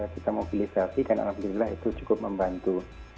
kita mobilisasi dan alhamdulillah itu cukup membantu